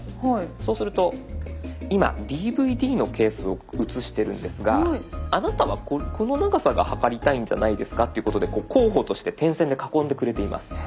そうすると今ＤＶＤのケースを写してるんですがあなたはこの長さが測りたいんじゃないですかっていうことで候補として点線で囲んでくれています。